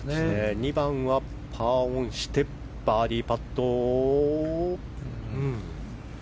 ２番はパーオンしてバーディーパット。